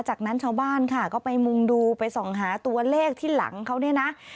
จากนั้นชาวบ้านค่ะก็ไปมุงดูไปส่องหาตัวเลขที่หลังเขาเนี่ยนะ